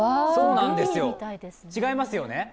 違いますよね。